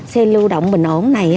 xe lưu động bình ổn này